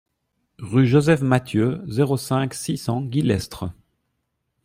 Rue Joseph Mathieu, zéro cinq, six cents Guillestre